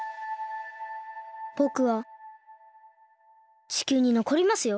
ぼくは地球にのこりますよ。